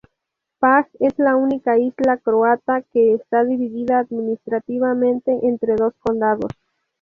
Pag es la única isla croata que está dividida administrativamente entre dos condados.